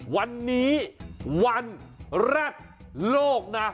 วันนี้วันแรกโลกนะ